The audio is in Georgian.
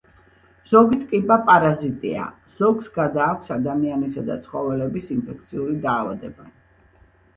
ზოგი ტკიპა პარაზიტია, ზოგს გადააქვს ადამიანისა და ცხოველების ინფექციური დაავადებანი.